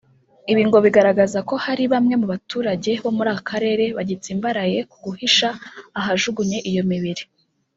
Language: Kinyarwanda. Ibi ngo bigaraza ko hari bamwe mu baturage bo muri aka Karere bagitsimbaraye ku guhisha ahajugunye iyo mibiri